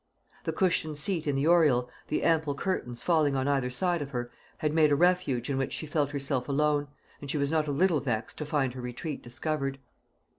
The cushioned seat in the oriel, the ample curtains falling on either side of her, had made a refuge in which she felt herself alone, and she was not a little vexed to find her retreat discovered.